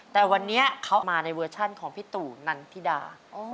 แต่วันนี้เขามาในเวอร์ชันของพี่ตู่นันทิดา